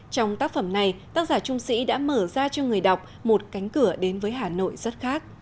trong tác phẩm này tác giả trung sĩ đã mở ra cho người đọc một cánh cửa đến với hà nội rất khác